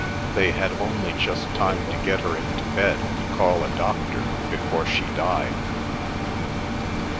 They had only just time to get her into bed and call a doctor before she died.